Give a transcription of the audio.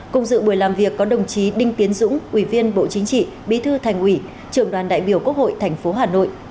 cùng dự buổi làm việc có đồng chí đinh tiến dũng ủy viên bộ chính trị bí thư thành ủy trưởng đoàn đại biểu quốc hội tp hà nội